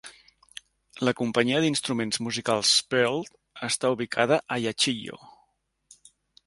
La companyia d'instruments musicals Pearl està ubicada a Yachiyo.